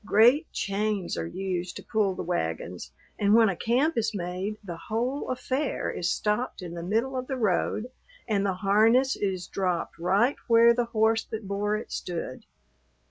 Great chains are used to pull the wagons, and when a camp is made the whole affair is stopped in the middle of the road and the harness is dropped right where the horse that bore it stood.